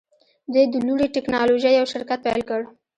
دوی د لوړې ټیکنالوژۍ یو شرکت پیل کړ